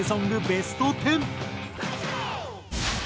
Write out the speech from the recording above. ベスト１０。